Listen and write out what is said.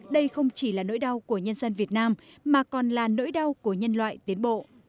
đây không chỉ là nỗi đau của nhân dân việt nam mà còn là nỗi đau của nhân loại tiến bộ